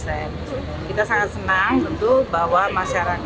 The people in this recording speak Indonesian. senang betul bahwa masyarakat melakukan pelaksanaan kewajiban undang undang